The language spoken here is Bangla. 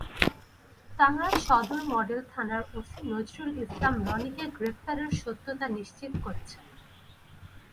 টাঙ্গাইল সদর মডেল থানার ওসি নজরুল ইসলাম রনিকে গ্রেপ্তারের সত্যতা নিশ্চিত করেছেন।